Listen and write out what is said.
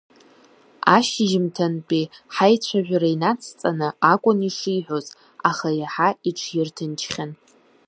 Ашьжьымҭантәи ҳаицәажәара инацҵаны акәын ишиҳәоз, аха иаҳа иҽирҭынчхьан.